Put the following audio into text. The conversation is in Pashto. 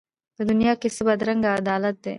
په دنیا کي څه بدرنګه عدالت دی